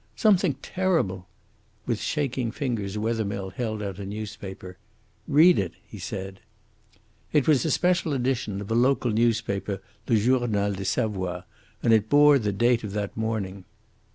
"Something terrible." With shaking fingers Wethermill held out a newspaper. "Read it," he said. It was a special edition of a local newspaper, Le Journal de Savoie, and it bore the date of that morning.